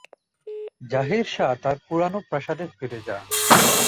জহির শাহ তার পুরনো প্রাসাদে ফিরে যান।